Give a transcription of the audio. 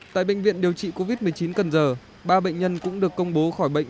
tại bệnh viện điều trị covid một mươi chín cần giờ ba bệnh nhân cũng được công bố khỏi bệnh